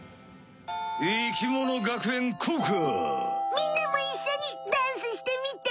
みんなもいっしょにダンスしてみて！